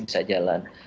itu masih bisa jalan